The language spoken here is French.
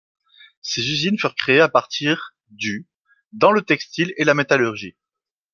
Des usines furent créées à partir du dans le textile et la métallurgie.